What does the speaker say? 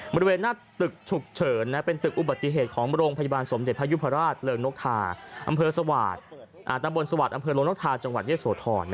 บริเวณหน้าตึกฉุกเฉินเป็นตึกอุบัติเหตุของโรงพยาบาลสมเด็จพยุพราชเริงนกทาอำเภอตำบลสวัสดิ์อำเภอลงนกทาจังหวัดเยอะโสธร